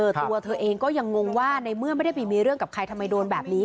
ตัวเธอเองก็ยังงงว่าในเมื่อไม่ได้ไปมีเรื่องกับใครทำไมโดนแบบนี้